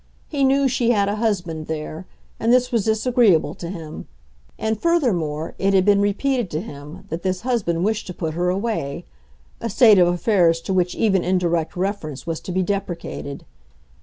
He knew she had a husband there, and this was disagreeable to him; and, furthermore, it had been repeated to him that this husband wished to put her away—a state of affairs to which even indirect reference was to be deprecated.